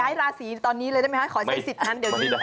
ย้ายราศีตอนนี้ได้ไหมครับขอไขสิทธิ์ทั้งเดี๋ยวนี้